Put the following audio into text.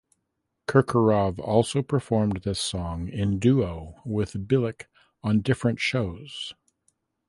Kirkorov also performed this song in duo with Bilyk on different shows.